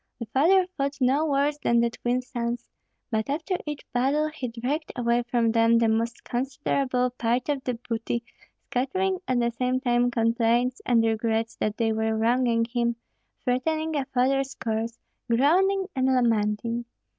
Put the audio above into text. The father fought no worse than the twin sons, but after each battle he dragged away from them the most considerable part of the booty, scattering at the same time complaints and regrets that they were wronging him, threatening a father's curse, groaning and lamenting.